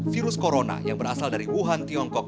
virus corona yang berasal dari wuhan tiongkok